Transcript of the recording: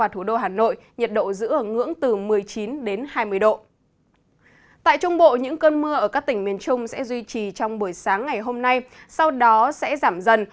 tại trung bộ những cơn mưa ở các tỉnh miền trung sẽ duy trì trong buổi sáng ngày hôm nay sau đó sẽ giảm dần